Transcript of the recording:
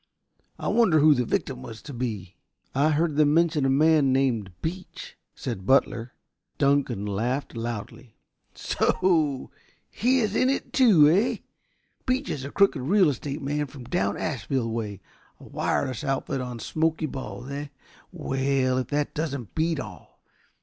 I wonder who the victim was to be?" "I heard them mention a man named Beach," said Butler. Dunkan laughed loudly. "So! He is in it, too, eh? Beach is a crooked real estate man from down Asheville way. A wireless outfit on Smoky Bald, eh? Well, if that doesn't beat all.